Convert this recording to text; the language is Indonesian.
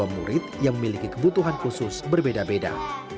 dua murid yang memiliki kebutuhan khusus berbeda beda